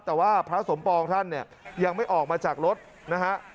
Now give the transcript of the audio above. แต่ว่าพระสมปองท่านเนี่ยยังไม่ออกมาจากรถนะฮะ